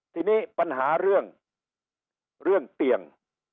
ทีนี้ปัญหาเรื่องเตียง